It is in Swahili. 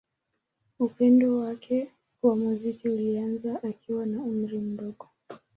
Upendo wake wa muziki ulianza akiwa na umri mdogo.